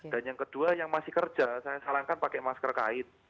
dan yang kedua yang masih kerja saya sarankan pakai masker kain